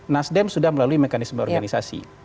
nasdem sudah melalui mekanisme organisasi